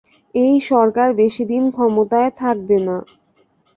এই সরকার বেশিদিন ক্ষমতায় থাকবে না।